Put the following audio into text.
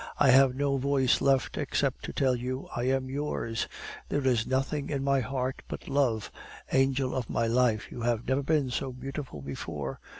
"I have no voice left except to tell you, 'I am yours.' There is nothing in my heart but love. Angel of my life, you have never been so beautiful before!